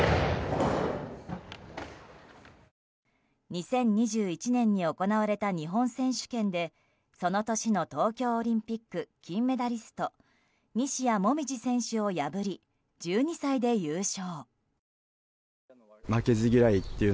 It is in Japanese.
２０２１年に行われた日本選手権でその年の東京オリンピック金メダリスト西矢椛選手を破り１２歳で優勝。